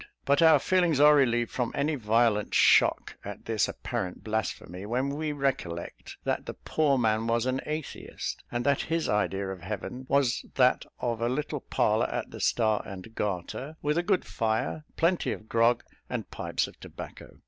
But our feelings are relieved from any violent shock at this apparent blasphemy, when we recollect that the poor man was an atheist; and that his idea of Heaven was that of a little parlour at the Star and Garter, with a good fire, plenty of grog, and pipes of tobacco.